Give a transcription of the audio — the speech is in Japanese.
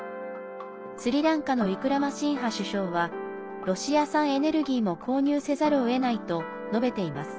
スリランカのウィクラマシンハ首相はロシア産エネルギーも購入せざるをえないと述べています。